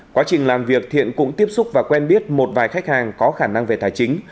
quá trình làm việc thiện cũng tiếp xúc và quen biết một vài khách hàng có khả năng về tài chính